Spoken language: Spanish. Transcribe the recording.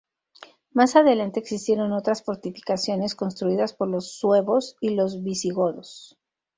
Más adelante existieron otras fortificaciones construidas por los Suevos y los Visigodos.